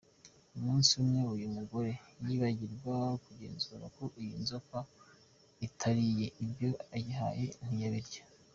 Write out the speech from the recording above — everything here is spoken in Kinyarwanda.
Umunsi umwe uyu mugore yibagirwa kugenzura ko iyi nzoka itariye, ibyo ayihaye ntiyabirya.